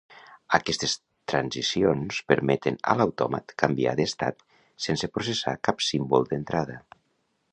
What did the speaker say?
Aquestes transicions permeten a l'autòmat canviar d'estat sense processar cap símbol d'entrada.